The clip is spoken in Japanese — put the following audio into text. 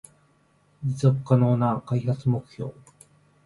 持続可能な開発目標